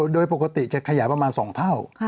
โดยปกติจะขยายประมาณ๒เท่า